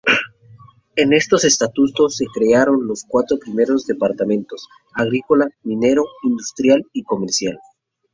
En esos estatutos se crearon los cuatro primeros departamentos: Agrícola, Minero, Industrial y Comercial.